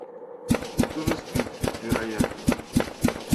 Тоже спит, вероятно.